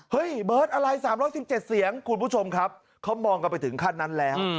เฮ้ยเบิร์ตอะไร๓๑๗เสียงคุณผู้ชมครับเขามองกันไปถึงขั้นนั้นแล้ว